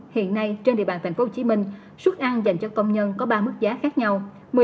hiện nay trên địa bàn thành phố hồ chí minh xuất ăn dành cho công nhân có ba mức giá khác nhau